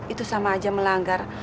itu sama aja melanggar